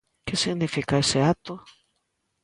Que significa ese acto?